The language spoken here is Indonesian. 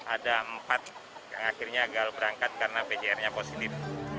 ada empat yang akhirnya agak berangkat karena pcrnya positif